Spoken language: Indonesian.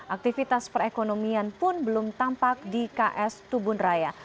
aktivitas perekonomian pun belum tampak di ks tubun raya